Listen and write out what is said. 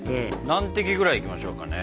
何滴ぐらいいきましょうかね？